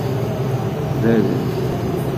Berrez.